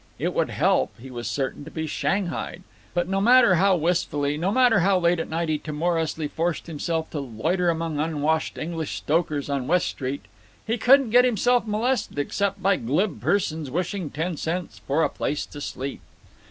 It would help, he was certain, to be shanghaied. But no matter how wistfully, no matter how late at night he timorously forced himself to loiter among unwashed English stokers on West Street, he couldn't get himself molested except by glib persons wishing ten cents "for a place to sleep."